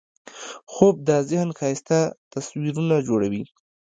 خوب د ذهن ښایسته تصویرونه جوړوي